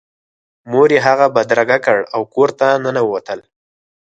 مور یې هغه بدرګه کړ او کور ته ننوتل